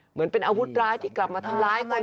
เหมือนเป็นอาวุธร้ายที่กลับมาทำร้ายกัน